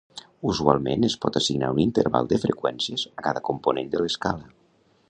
Usualment es pot assignar un interval de freqüències a cada component de l'escala.